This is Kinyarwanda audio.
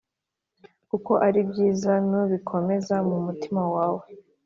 kuko ari byiza nubikomeza mu mutima wawe,